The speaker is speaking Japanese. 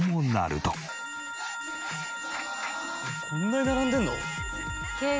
「こんなに並んでるの？」